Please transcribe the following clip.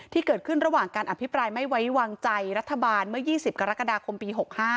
ที่เกิดขึ้นระหว่างการอภิปรายไม่ไว้วางใจรัฐบาลเมื่อ๒๐กรกฎาคมปี๖๕